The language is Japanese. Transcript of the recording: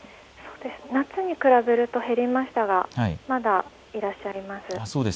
夏に比べると減りましたがまだいらっしゃいます。